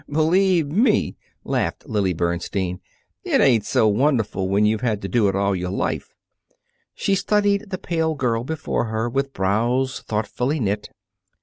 "Believe me," laughed Lily Bernstein, "it ain't so wonderful when you've had to do it all your life." She studied the pale girl before her with brows thoughtfully knit.